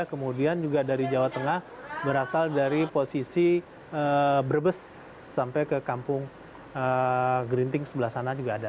kemudian juga dari jawa tengah berasal dari posisi brebes sampai ke kampung gerinting sebelah sana juga ada